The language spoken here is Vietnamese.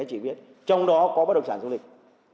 theo đại gia đình bất động sản du lịch đã có sự phát triển khá nhanh